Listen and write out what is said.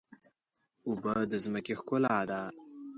اوبه د ځمکې ښکلا ده.